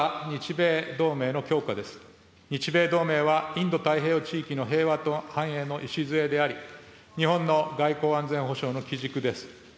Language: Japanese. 日米同盟はインド太平洋地域の平和と繁栄の礎であり、日本の外交・安全保障の基軸です。